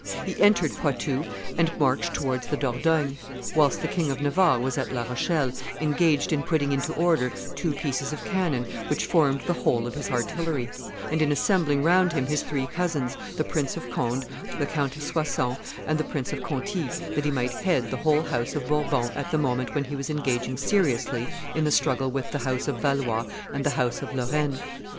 He entered Poitou and marched towards the Dordogne, whilst the King of Navarre was at La Rochelle, engaged in putting into order two pieces of cannon, which formed the whole of his artillery, and in assembling round him his three cousins, the Prince of Conde, the Count of Soissons, and the Prince of Conti, that he might head the whole house of Bourbon at the moment when he was engaging seriously in the struggle with the house of Valois and the house of Lorraine.